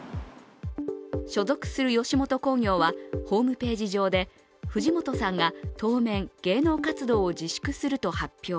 所属する吉本興業は、ホームページ上で藤本さんが当面、芸能活動を自粛すると発表。